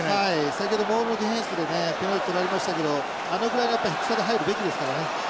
先ほどモールのディフェンスでねペナルティー取られましたけどあのぐらいだったら低さで入るべきですからね。